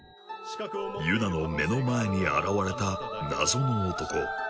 ユナの目の前に現れた謎の男。